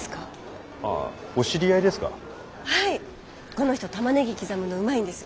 この人タマネギ刻むのうまいんです。